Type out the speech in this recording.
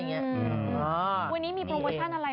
วันนี้มีโปรโมชั่นอะไร